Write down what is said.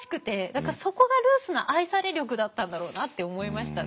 そこがルースの愛され力だったんだろうなって思いましたね。